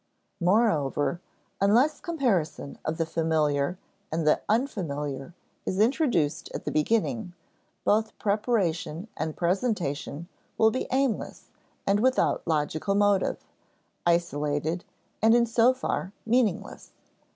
Moreover, unless comparison of the familiar and the unfamiliar is introduced at the beginning, both preparation and presentation will be aimless and without logical motive, isolated, and in so far meaningless.